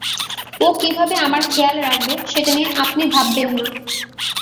ও কিভাবে আমার খেয়াল রাখবে সেটা নিয়ে আপনি ভাববেন না।